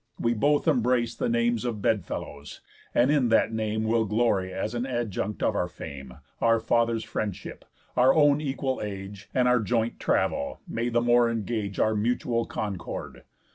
We both embrace The names of bed fellows, and in that name Will glory as an adjunct of our fame; Our fathers' friendship, our own equal age, And our joint travel, may the more engage Our mutual concord.